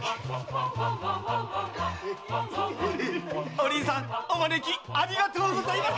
お凛さんお招きありがとうございます！